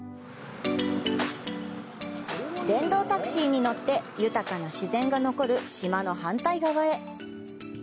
電動タクシーに乗って豊かな自然が残る島の反対側へ。